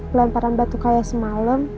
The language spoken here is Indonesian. pelemparan batu kayak semalam